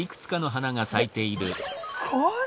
これ。